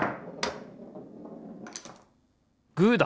グーだ！